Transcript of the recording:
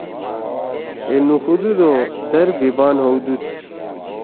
ہے نُوخُودُود او در بھی بان ہؤدُود۔